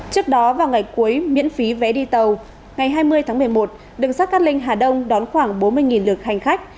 trước đó vào ngày cuối miễn phí vé đi tàu ngày hai mươi tháng một mươi một đường sát cát linh hà đông đón khoảng bốn mươi lượt hành khách